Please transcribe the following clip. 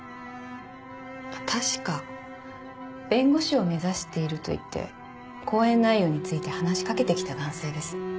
確か弁護士を目指していると言って講演内容について話し掛けてきた男性です。